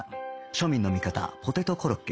庶民の味方ポテトコロッケ